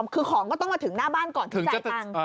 คือของก็ต้องมาถึงหน้าบ้านก่อนถึงจ่ายตังค์